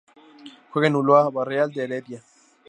Juega en Ulloa Barreal de Heredia.